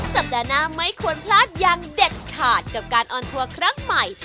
สัปดาห์หน้าไม่ควรพลาดอย่างเด็ดขาดกับการออนทัวร์ครั้งใหม่